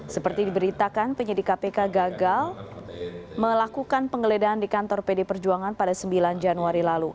seperti diberitakan penyidik kpk gagal melakukan penggeledahan di kantor pd perjuangan pada sembilan januari lalu